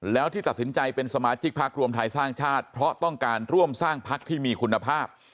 แล้วที่ตัดสินใจเป็นสมาชิกพักรวมไทยสร้างชาติเพราะต้องการร่วมสร้างพักที่มีคุณภาพ